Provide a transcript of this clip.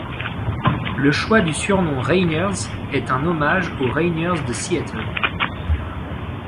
Le choix du surnom Rainiers est un hommage aux Rainiers de Seattle.